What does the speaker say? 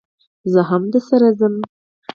زه هم درسره ځم